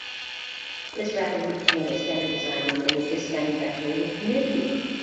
This rapidly became a standard design within the disk manufacturing community.